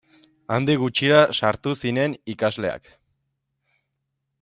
Handik gutxira sartu zinen ikasleak.